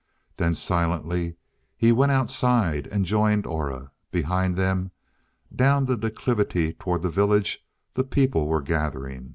Then silently he went outside and joined Aura. Behind them, down the declivity toward the village, the people were gathering.